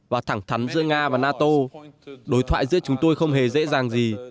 và thẳng thắn giữa nga và nato đối thoại giữa chúng tôi không hề dễ dàng gì